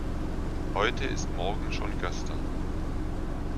Heute ist morgen schon gestern.